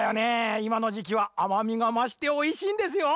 いまのじきはあまみがましておいしいんですよ！